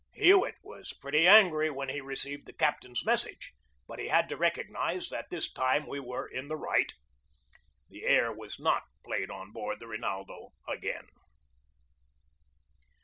Hewett was pretty angry when he received the captain's mes sage, but he had to recognize that this time we were in the right. The air was not played on board the Rinaldo again.